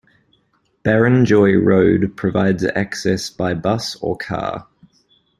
Barrenjoey Road provides access by bus or car.